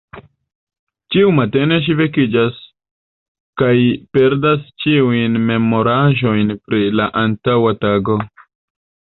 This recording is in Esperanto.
Ĉiu matene ŝi vekiĝas kaj perdas ĉiujn memoraĵojn pri la antaŭa tago.